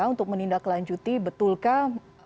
untuk menindaklanjuti betulkah